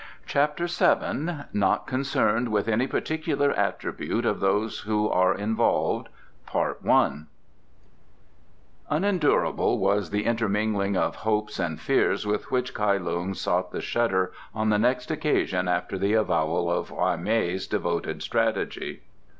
CHAPTER VII Not Concerned with any Particular Attribute of Those who are Involved Unendurable was the intermingling of hopes and fears with which Kai Lung sought the shutter on the next occasion after the avowal of Hwa mei's devoted strategy.